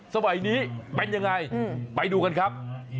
สมัยนี้เป็นยังไงไปดูกันครับ